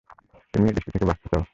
তুমি এই দৃষ্টি থেকে বাঁচতে চাও।